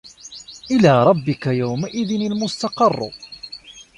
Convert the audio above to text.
إِلى رَبِّكَ يَومَئِذٍ المُستَقَرُّ